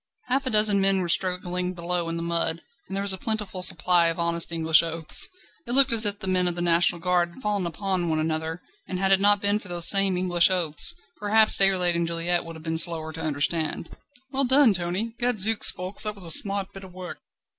Half a dozen men were struggling below in the mud, and there was a plentiful supply of honest English oaths. It looked as if the men of the National Guard had fallen upon one another, and had it not been for those same English oaths perhaps Déroulède and Juliette would have been slower to understand. "Well done, Tony! Gadzooks, Ffoulkes, that was a smart bit of work!"